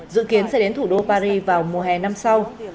dự kiến sẽ đến thủ đô paris vào mùa hè năm sau